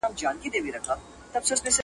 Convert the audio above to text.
واری د تېراه دی ورپسې مو خیبرونه دي٫